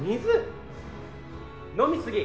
飲み過ぎ。